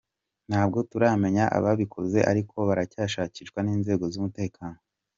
Ntabwo turamenya ababikoze ariko baracyashakishwa n’inzego z’umutekano.